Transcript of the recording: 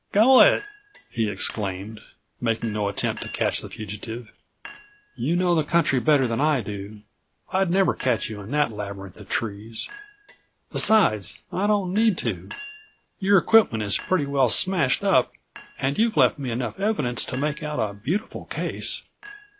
"Go it," he exclaimed, making no attempt to73 catch the fugitive, "you know the country better than I do. I'd never catch you in that labyrinth of trees. Besides, I don't need to. Your equipment is pretty well smashed up and you've left me enough evidence to make out a beautiful case."